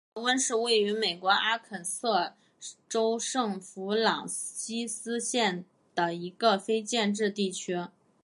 古得温是位于美国阿肯色州圣弗朗西斯县的一个非建制地区。